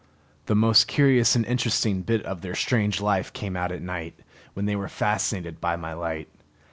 The most curious and interesting bit of their strange life came out at night, when they were fascinated by my light.